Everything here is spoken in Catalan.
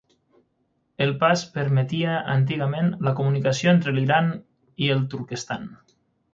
El pas permetia antigament la comunicació entre l'Iran i el Turquestan.